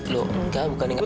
lo nggak bukan yang lain